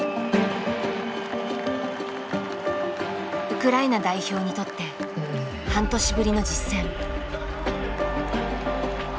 ウクライナ代表にとって半年ぶりの実戦。